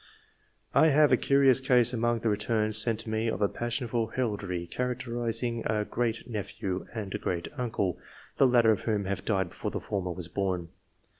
I have a curious case among the returns sent to me of a passion for heraldry characterising a great nephew and a great uncle, the latter of whom had died before the former was born.